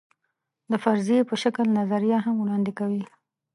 د فرضیې په شکل نظریه هم وړاندې کوي.